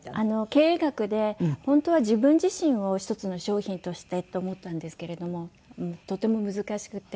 経営学で本当は自分自身を一つの商品としてと思ったんですけれどもとても難しくて。